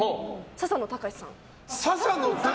笹野高史さん？